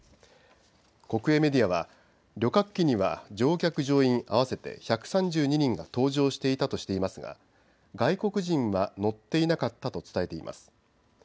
国営メディアは旅客機には乗客乗員合わせて１３２人が搭乗していたとしていますが外国人は乗っていなかったと伝えています。